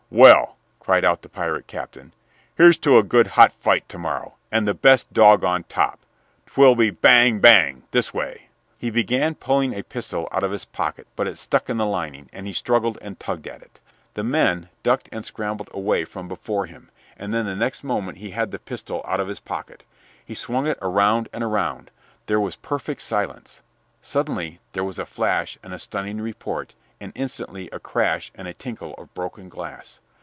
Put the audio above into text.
"Well," cried out the pirate captain, "here's to a good, hot fight to morrow, and the best dog on top! 'Twill be, Bang! bang! this way!" He began pulling a pistol out of his pocket, but it stuck in the lining, and he struggled and tugged at it. The men ducked and scrambled away from before him, and then the next moment he had the pistol out of his pocket. He swung it around and around. There was perfect silence. Suddenly there was a flash and a stunning report, and instantly a crash and tinkle of broken glass.